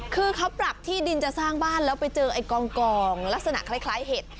คือเขาปรับที่ดินจะสร้างบ้านแล้วไปเจอไอ้กองลักษณะคล้ายเห็ด